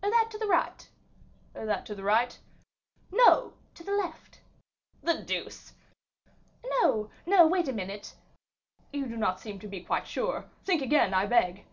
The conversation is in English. "That to the right." "That to the right?" "No, to the left." "The deuce!" "No, no, wait a minute " "You do not seem to be quite sure. Think again, I beg."